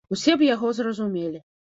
Усе б яго зразумелі.